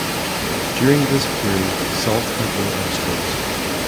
During this period Salt had no high schools.